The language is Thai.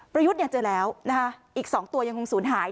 ประยุทธ์เนี่ยเจอแล้วนะคะอีก๒ตัวยังคงศูนย์หาย